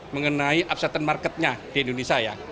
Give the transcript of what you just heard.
mengenai upsettan marketnya di indonesia